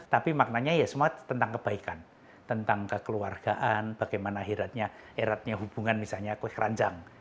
tapi maknanya ya semua tentang kebaikan tentang kekeluargaan bagaimana eratnya hubungan misalnya kue keranjang